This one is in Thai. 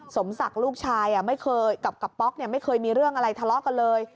สมศักดิ์ลูกชายไม่เคยกับป๊อกไม่เคยมีเรื่องอะไรทะเลาะกันเลย